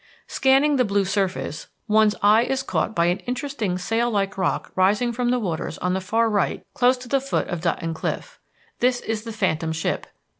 Scanning the blue surface, one's eye is caught by an interesting sail like rock rising from the waters on the far right close to the foot of Dutton Cliff. This is the Phantom Ship.